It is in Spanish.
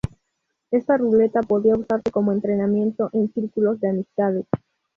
Esta ruleta podía usarse como entretenimiento en círculos de amistades.